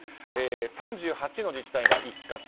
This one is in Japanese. ３８の自治体が一括。